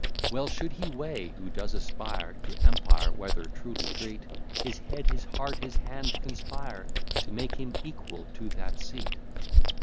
Well should he weigh, who does aspire To empire, whether truly great, His head, his heart, his hand, conspire To make him equal to that seat.